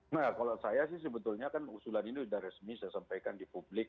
nah kalau saya sih sebetulnya kan usulan ini sudah resmi saya sampaikan di publik